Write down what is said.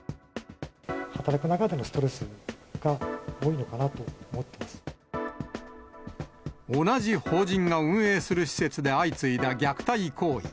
働く中でのストレスが多いの同じ法人が運営する施設で相次いだ虐待行為。